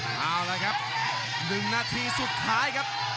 เอาละครับ๑นาทีสุดท้ายครับ